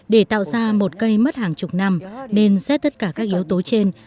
để tạo ra một cây mất hàng chục năm nên xét tất cả các yếu tố trên